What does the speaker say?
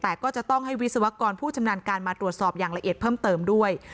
แต่ก็จะต้องให้วิศวกรผู้ชำนาญการมาตรวจสอบอย่างละเอียดเพิ่มเติมด้วย